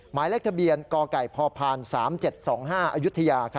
หมายเลขทะเบียนกไก่พพ๓๗๒๕อายุทยา